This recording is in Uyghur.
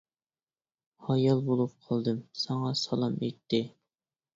ھايال بولۇپ قالدىم، ساڭا سالام ئېيتتى.